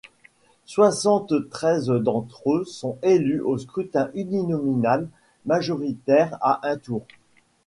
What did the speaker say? Soixante-treize d'entre eux sont élus au scrutin uninominal majoritaire à un tour.